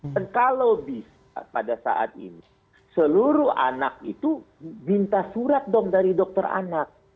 dan kalau bisa pada saat ini seluruh anak itu minta surat dong dari dokter anak